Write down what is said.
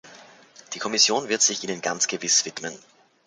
Die Kommission wird sich ihnen ganz gewiss widmen.